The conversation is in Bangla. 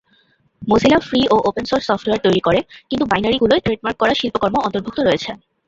মোজিলা ফ্রি ও ওপেন সোর্স সফটওয়্যার তৈরী করে, কিন্তু বাইনারিগুলোয় ট্রেডমার্ক করা শিল্পকর্ম অন্তর্ভুক্ত রয়েছে।